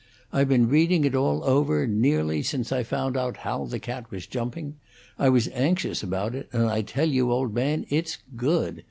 I've been reading it all over, nearly, since I found how the cat was jumping; I was anxious about it, and I tell you, old man, it's good.